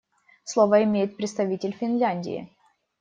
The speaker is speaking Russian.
Слово имеет представитель Финляндии.